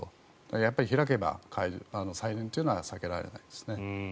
やっぱり開けば再燃というのは避けられないですね。